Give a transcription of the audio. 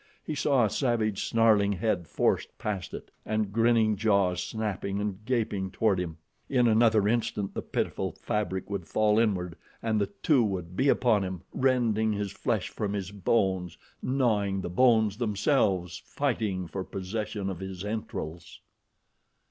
He saw a savage, snarling head forced past it, and grinning jaws snapping and gaping toward him. In another instant the pitiful fabric would fall inward, and the two would be upon him, rending his flesh from his bones, gnawing the bones themselves, fighting for possession of his entrails.